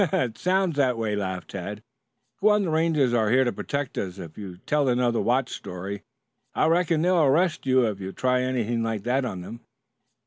"It sounds that way," laughed Tad. "Go on the Rangers are here to protect us if you tell another watch story. I reckon they'll arrest you if you try anything like that on them."